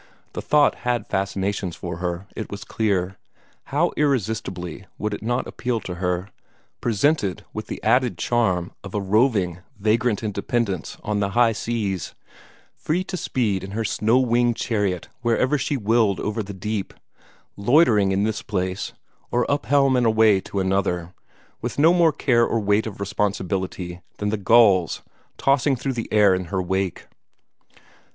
The thought had fascinations for her, it was clear. How irresistibly would it not appeal to her, presented with the added charm of a roving, vagrant independence on the high seas, free to speed in her snow winged chariot wherever she willed over the deep, loitering in this place, or up helm and away to another, with no more care or weight of responsibility than the gulls tossing through the air in her wake!